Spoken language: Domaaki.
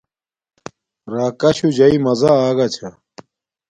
راکاشُُو جاݶ مزا اگا چھا